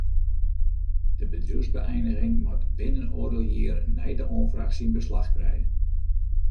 De bedriuwsbeëiniging moat binnen oardel jier nei de oanfraach syn beslach krije.